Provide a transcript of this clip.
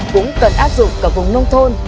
cũng cần áp dụng cả vùng nông thôn